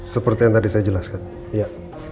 seperti yang tadi saya jelaskan